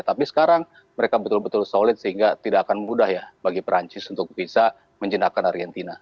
tapi sekarang mereka betul betul solid sehingga tidak akan mudah ya bagi perancis untuk bisa menjendakkan argentina